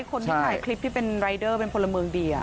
คนที่ถ่ายคลิปที่เป็นรายเดอร์เป็นพลเมืองดี